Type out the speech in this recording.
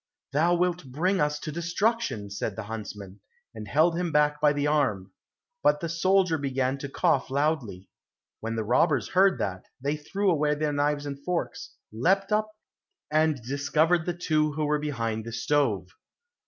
"Thou wilt bring us to destruction," said the huntsman, and held him back by the arm. But the soldier began to cough loudly. When the robbers heard that, they threw away their knives and forks, leapt up, and discovered the two who were behind the stove.